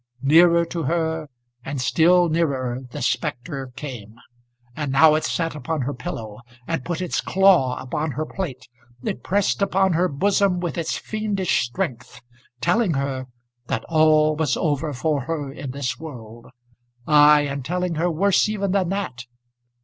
Nearer to her, and still nearer, the spectre came; and now it sat upon her pillow, and put its claw upon her plate; it pressed upon her bosom with its fiendish strength, telling her that all was over for her in this world: ay, and telling her worse even than that.